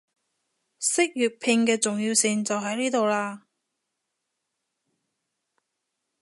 識粵拼嘅重要性就喺呢度喇